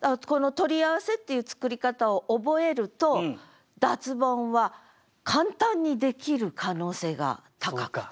「取り合わせ」っていう作り方を覚えると脱ボンは簡単にできる可能性が高くなる。